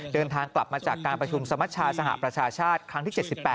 เดินทางกลับมาจากการประชุมสมัชชาสหประชาชาติครั้งที่๗๘